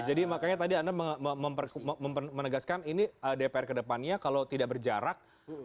jadi makanya tadi anda menegaskan ini dpr kedepannya kalau tidak berjarak